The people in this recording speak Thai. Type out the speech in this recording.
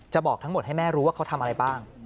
บอกทั้งหมดให้แม่รู้ว่าเขาทำอะไรบ้าง